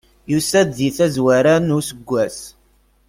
Yusa-d deg tazwara n useggas.